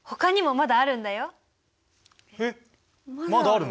まだあるの？